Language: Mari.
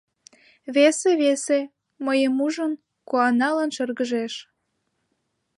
Весе, весе, мыйым ужын, куаналын шыргыжеш